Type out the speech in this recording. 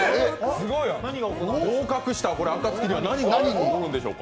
合格した暁には何が起こるんでしょうか。